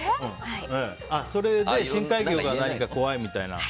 それで深海魚が怖いみたいな。